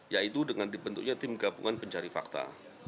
yaitu dengan dibentuknya tim gabungan pencari fakta